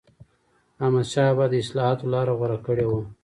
احمدشاه بابا د اصلاحاتو لاره غوره کړې وه.